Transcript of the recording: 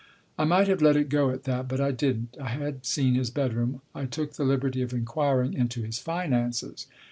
I might have let it go at that. But I didn't. I had seen his bedroom. I took the liberty of inquiring into his finances.